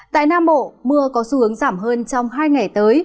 tại nam bộ mưa có xu hướng giảm hơn trong hai ngày tới